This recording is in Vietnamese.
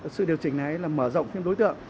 sự điều chỉnh này là mở rộng thêm đối tượng